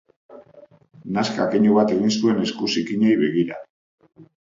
Nazka keinu bat egin zuen esku zikinei begira.